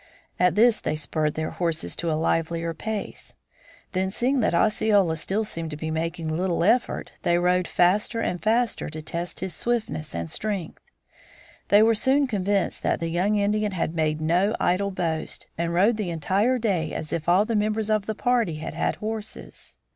At this they spurred their horses to a livelier pace. Then seeing that Osceola still seemed to be making little effort they rode faster and faster to test his swiftness and strength. They were soon convinced that the young Indian had made no idle boast, and rode the entire day as if all the members of the party had had horses.